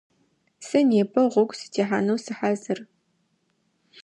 Сэ непэ гъогу сытехьанэу сыхьазыр.